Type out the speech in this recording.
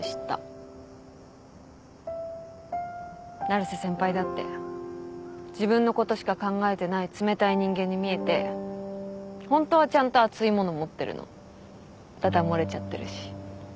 成瀬先輩だって自分のことしか考えてない冷たい人間に見えてホントはちゃんと熱いもの持ってるのだだ漏れちゃってるし。